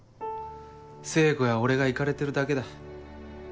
聖子や俺がイカれてるだけだ。